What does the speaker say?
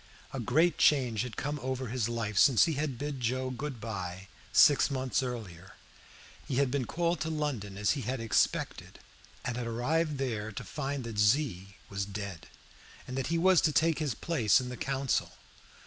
A great change had come over his life since he had bid Joe good by six months earlier. He had been called to London as he had expected, and had arrived there to find that Z was dead, and that he was to take his place in the council.